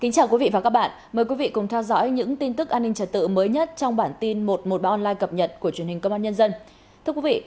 cảm ơn các bạn đã theo dõi